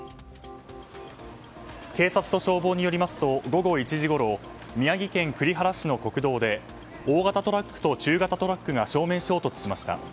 警察と消防によりますと午後１時ごろ宮城県栗原市の国道で大型トラックと中型トラックが正面衝突しました。